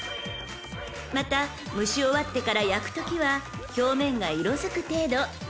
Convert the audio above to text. ［また蒸し終わってから焼くときは表面が色づく程度］